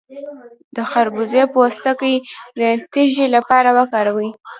د خربوزې پوستکی د تیږې لپاره وکاروئ